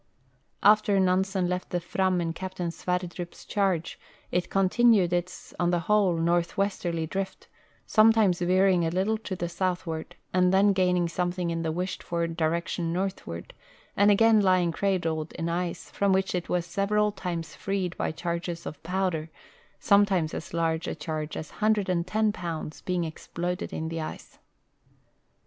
After Nansen left the Fram in Captain Sverdrup's charge it continued its, on the whole, northwesterly drift, sometimes veer ing a little to the southward, and then gaining something in the wished for direction northward, and again lying cradled in ice, from which it was several times freed by charges of powder, some times as large a charge as 110 pounds being exploded in the ice.